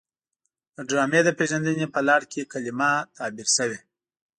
د ډرامې د پیژندنې په لړ کې کلمه تعبیر شوې.